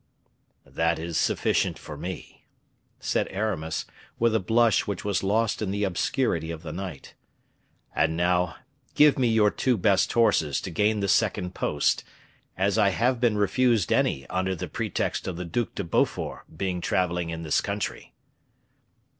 "That is sufficient for me," said Aramis, with a blush which was lost in the obscurity of the night. "And now, give me your two best horses to gain the second post, as I have been refused any under the pretext of the Duc de Beaufort being traveling in this country."